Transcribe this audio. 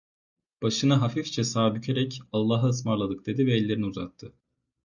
Başını hafifçe sağa bükerek: "Allahaısmarladık…" dedi ve ellerini uzattı.